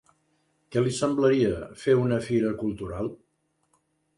Què li semblaria fer una fira cultural?